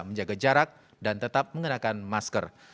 menjaga jarak dan tetap mengenakan masker